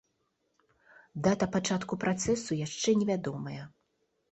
Дата пачатку працэсу яшчэ невядомая.